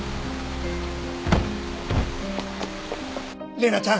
玲奈ちゃん。